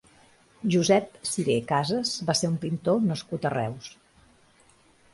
Josep Siré Casas va ser un pintor nascut a Reus.